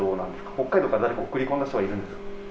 北海道から誰か送り込んだ人がいるんですか？